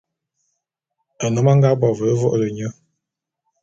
Nnôm a nga bo ve vô'ôlô nye.